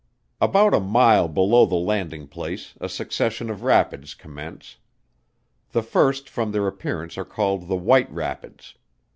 About a mile below the landing place a succession of rapids commence. The first from their appearance are called the white rapids.